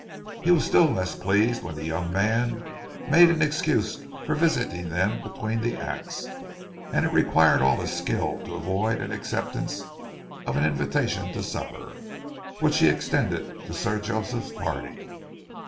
He was still less pleased when the young man made an excuse for visiting them between the acts, and it required all his skill to avoid an acceptance of the invitation to supper which he extended to Sir Joseph's party.